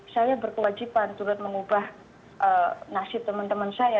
saya berkewajiban turut mengubah nasib teman teman saya